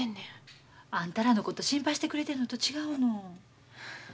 あんたらのこと心配してくれてるのと違うの？